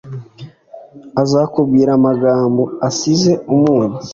azakubwira amagambo asize umunyu,